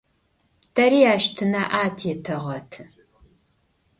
Тэри ащ тынаӏэ атетэгъэты.